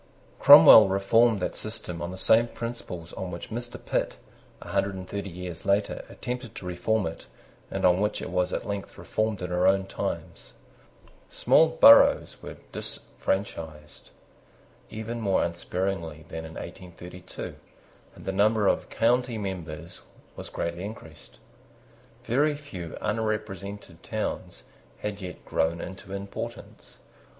Cromwell reformed that system on the same principles on which Mr. Pitt, a hundred and thirty years later, attempted to reform it, and on which it was at length reformed in our own times. Small boroughs were disfranchised even more unsparingly than in 1832; and the number of county members was greatly increased. Very few unrepresented towns had yet grown into importance.